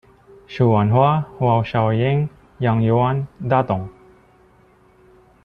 Xuanhua, Huashaoying, Yangyuan, Datong.